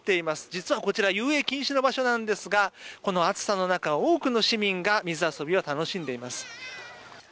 実はこちら遊泳禁止の場所なんですがこの暑さの中、多くの市民が水遊びを楽しんでいます。